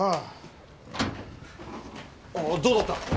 ああどうだった？